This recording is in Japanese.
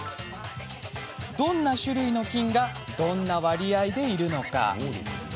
どんな種類の菌がどんな割合でいるのか。